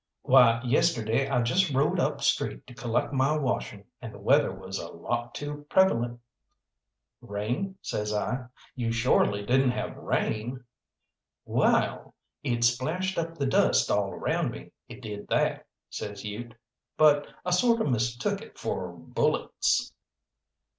"Why, yesterday I just rode up street to collect my washing, and the weather was a lot too prevalent." "Rain?" says I. "You shorely didn't have rain!" "Wall, it splashed up the dust all around me, it did that," says Ute, "but I sorter mistook it for bullets."